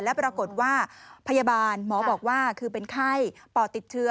และปรากฏว่าพยาบาลหมอบอกว่าคือเป็นไข้ปอดติดเชื้อ